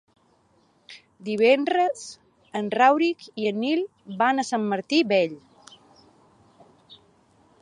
Divendres en Rauric i en Nil van a Sant Martí Vell.